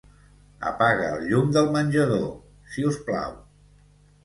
Apaga el llum del menjador, si us plau.